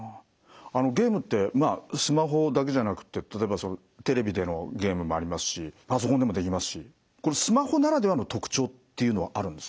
ゲームってスマホだけじゃなくて例えばそのテレビでのゲームもありますしパソコンでもできますしこれスマホならではの特徴っていうのはあるんですか？